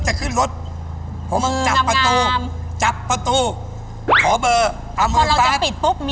ช่วงธรรม